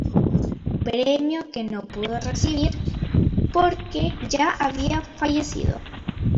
Premio que no pudo recibir porque ya había fallecido